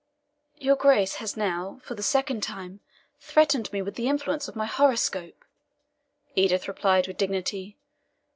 "Your Grace has now, for the second time, threatened me with the influence of my horoscope," Edith replied, with dignity.